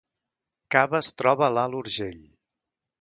Cava es troba a l’Alt Urgell